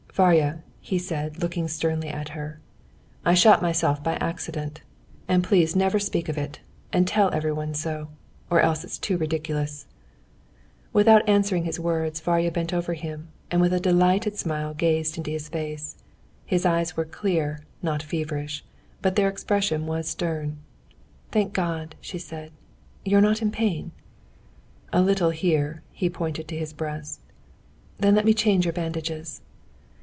"Varya," he said, looking sternly at her, "I shot myself by accident. And please never speak of it, and tell everyone so. Or else it's too ridiculous." Without answering his words, Varya bent over him, and with a delighted smile gazed into his face. His eyes were clear, not feverish; but their expression was stern. "Thank God!" she said. "You're not in pain?" "A little here." He pointed to his breast. "Then let me change your bandages."